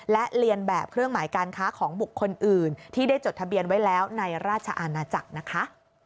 และเรียนแบบเครื่องหมายการค้าของบุคคลอื่นที่ได้จดทะเบียนไว้แล้วในราชอาณาจักรนะคะ